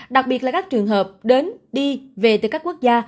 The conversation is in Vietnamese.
đặc biệt là các trường hợp đến đi về từ các quốc gia